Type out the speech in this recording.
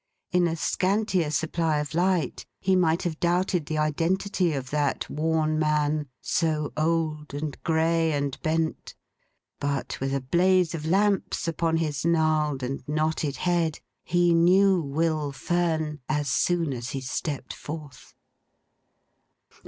In a scantier supply of light, he might have doubted the identity of that worn man, so old, and grey, and bent; but with a blaze of lamps upon his gnarled and knotted head, he knew Will Fern as soon as he stepped forth.